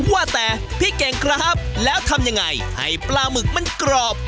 ว่าแต่พี่เก่งครับแล้วทำยังไงให้ปลาหมึกมันกรอบ